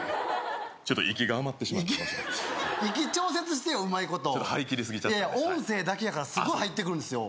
ちょっと息が余ってしまって息調節してようまいことちょっと張り切りすぎちゃって音声だけやからすごい入ってくるんですよ